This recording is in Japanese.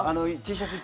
Ｔシャツ